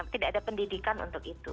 tidak ada pendidikan untuk itu